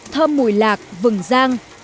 thơm mùi lạc vừng rang